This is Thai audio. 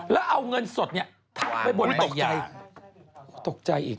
แล้วเอาเงินสดทับไว้บนใบหยาตกใจอีก